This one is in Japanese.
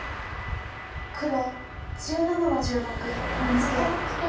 黒１７の十六ツケ。